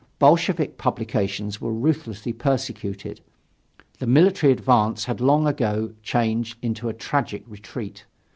Bolshevik publications were ruthlessly persecuted. The military advance had long ago changed into a tragic retreat.